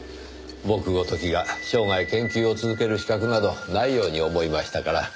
僕ごときが生涯研究を続ける資格などないように思いましたから。